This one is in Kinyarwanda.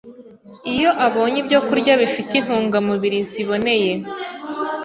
Iyo abonye ibyokurya bifite intungamubiri ziboneye,